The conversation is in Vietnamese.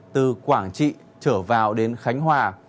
từ quảng trị trở vào đến khánh hòa